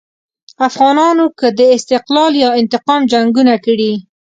افغانانو که د استقلال یا انتقام جنګونه کړي.